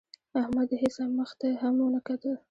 احمد د هېڅا مخ ته هم ونه کتل.